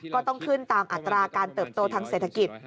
ก็ต้องขึ้นตามอัตราการเติบโตทางเศรษฐกิจ